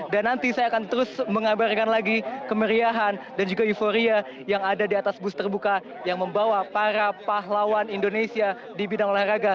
dan nanti saya akan terus mengabarkan lagi kemeriahan dan juga euforia yang ada di atas bus terbuka yang membawa para pahlawan indonesia di bidang olahraga